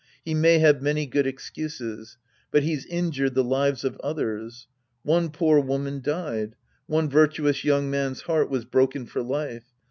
He may have many good excuses. But he's injured the lives of others. One poor woman died. One virtu ous young man's heart was broken for life.